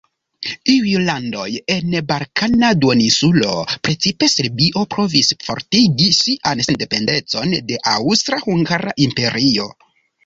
Iuj landoj en Balkana duoninsulo, precipe Serbio, provis fortigi sian sendependecon de Aŭstra-Hungara Imperio.